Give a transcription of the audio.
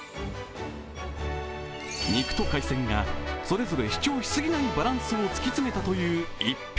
肉と海鮮がそれぞれ主張しすぎないバランスを突き詰めたという逸品。